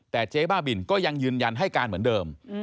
แต่เจ๊บ้าบินก็ยังยืนยันให้การเหมือนเดิม